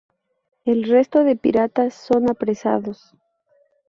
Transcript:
El resto de piratas son apresados.